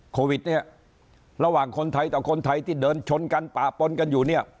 โควิดเนี่ยระหว่างคนไทยต่อคนไทยที่เดินชนกันปะปนกันอยู่เนี่ย